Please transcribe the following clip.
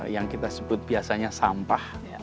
yang kita sebut biasanya sampah